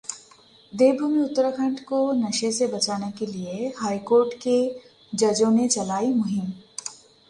देवभूमि उत्तराखंड को नशे से बचाने के लिए हाईकोर्ट के जजों ने चलाई मुहिम